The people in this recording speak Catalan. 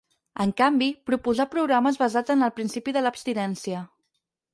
En canvi, proposà programes basats en el principi de l'abstinència.